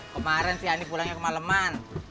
kemarin si ani pulangnya kemaleman